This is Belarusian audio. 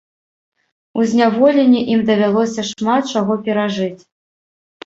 У зняволенні ім давялося шмат чаго перажыць.